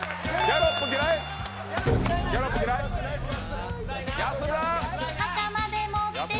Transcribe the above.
ギャロップ嫌いなの。